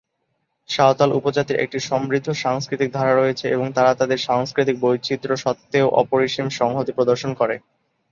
সাঁওতাল উপজাতির একটি সমৃদ্ধ সাংস্কৃতিক ধারা রয়েছে এবং তারা তাদের সাংস্কৃতিক বৈচিত্র্য সত্ত্বেও অপরিসীম সংহতি প্রদর্শন করে।